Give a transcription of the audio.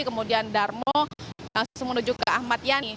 kemudian darmo langsung menuju ke ahmad yani